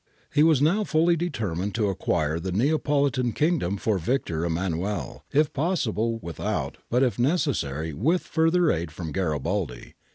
He was now fully determined to acquire the Neapolitan kingdom for Victor Emmanuel, if possible without, but if necessary with further aid from Garibaldi.